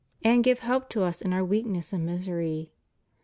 and give help to us in our weakness and misery.